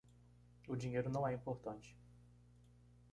O dinheiro não é importante.